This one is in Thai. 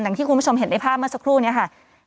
อย่างที่คุณผู้ชมเห็นในภาพเมื่อสักครู่นี้ค่ะ